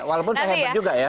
walaupun saya hebat juga ya